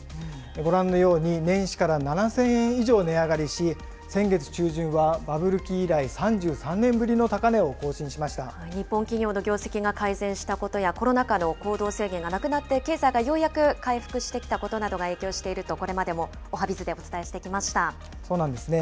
ご覧のように年始から７０００円以上値上がりし、先月中旬はバブル期以来３３年ぶりの高値を更新日本企業の業績が改善したことや、コロナ禍の行動制限がなくなって、経済がようやく回復してきたことなどが影響していると、これまでもおはＢｉｚでお伝えしそうなんですね。